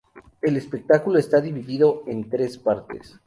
El espectáculo está dividido en tres partes.